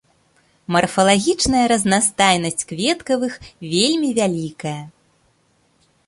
Марфалагічная разнастайнасць кветкавых вельмі вялікая.